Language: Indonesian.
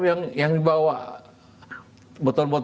begitu dipakai alat berat yang dibawa botol botol itu pakai alat berat itu